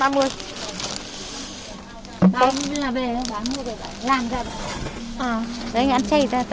bán như là bề thôi bán như là bề thôi làm ra bề thôi